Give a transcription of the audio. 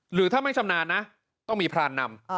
หรือถ้าไม่ชำนาญนะต้องมีพรานนำ